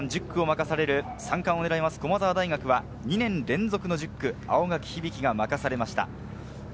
１０区を任される３冠を狙う駒澤大学は２年連続の１０区・青柿響が任されました。